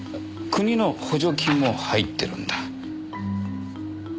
国の補助金も入ってるんだ。